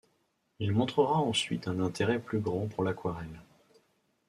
Il montrera ensuite un intérêt plus grand pour l'aquarelle.